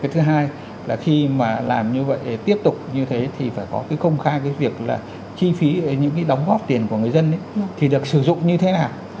thứ hai là khi mà làm như vậy tiếp tục như thế thì phải có cái công khai cái việc là chi phí những cái đóng góp tiền của người dân thì được sử dụng như thế nào